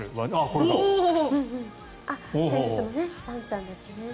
先日のワンちゃんですね。